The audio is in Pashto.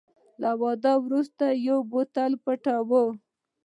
له واده وروسته یوه تل پټوه .